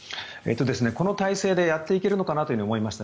この体制でやっていけるかなと思いました。